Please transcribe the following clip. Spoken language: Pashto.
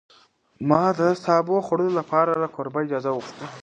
ما د سابو د خوړلو لپاره له کوربه اجازه وغوښته.